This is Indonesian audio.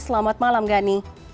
selamat malam gani